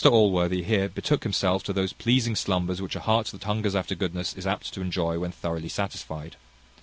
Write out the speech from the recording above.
Allworthy here betook himself to those pleasing slumbers which a heart that hungers after goodness is apt to enjoy when thoroughly satisfied.